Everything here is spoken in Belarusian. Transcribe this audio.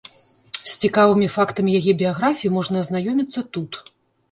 З цікавымі фактамі яе біяграфіі можна азнаёміцца тут.